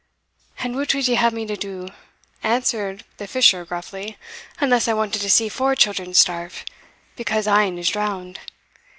"And what would ye have me to do," answered the fisher gruffly, "unless I wanted to see four children starve, because ane is drowned?